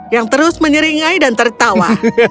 yang terus menyeringai dan tertawa